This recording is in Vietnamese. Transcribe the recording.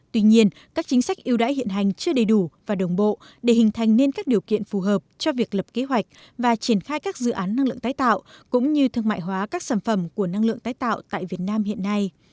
tuy nhiên các chính sách yêu đãi hiện hành chưa đầy đủ và đồng bộ để hình thành nên các điều kiện phù hợp cho việc lập kế hoạch và triển khai các dự án năng lượng tái tạo cũng như thương mại hóa các sản phẩm của năng lượng tái tạo tại việt nam hiện nay